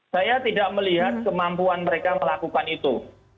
saya tidak melihat kemampuan mereka melakukan itu